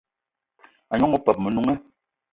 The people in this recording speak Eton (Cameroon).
A gnong opeup o Menunga